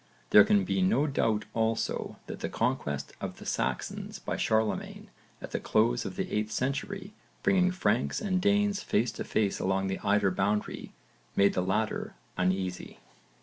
There can be no doubt also that the conquest of the Saxons by Charlemagne at the close of the 8th century, bringing Franks and Danes face to face along the Eider boundary, made the latter uneasy.